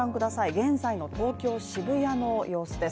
現在の東京・渋谷の様子です